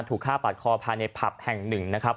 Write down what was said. ถูกฆ่าปาดคอภายในผับแห่งหนึ่งนะครับ